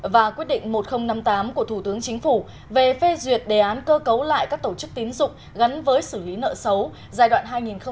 và quyết định một nghìn năm mươi tám của thủ tướng chính phủ về phê duyệt đề án cơ cấu lại các tổ chức tín dụng gắn với xử lý nợ xấu giai đoạn hai nghìn một mươi sáu hai nghìn hai mươi